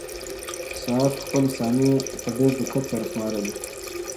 ساعت خپلې ثانیې په ډېر دقت سره شمارلې.